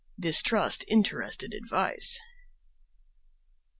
"DISTRUST INTERESTED ADVICE."